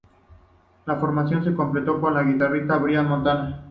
La formación se completó con el guitarrista Brian Montana.